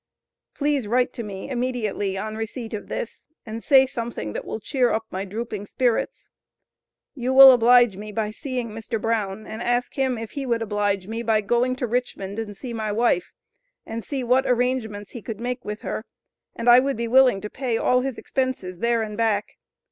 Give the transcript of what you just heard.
Please write to me immediately on receipt of this, and say something that will cheer up my drooping spirits. You will oblige me by seeing Mr. Brown and ask him if he would oblige me by going to Richmond and see my wife, and see what arrangements he could make with her, and I would be willing to pay all his expenses there and back.